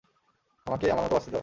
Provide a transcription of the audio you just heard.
আমাকে আমার মতো বাঁচতে দাও।